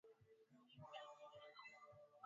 Tumia simu yako kuwapigia simu